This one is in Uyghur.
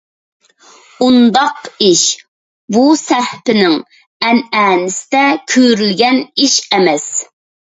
ئۇنداق ئىش بۇ سەھىپىنىڭ ئەنئەنىسىدە كۆرۈلگەن ئىش ئەمەس.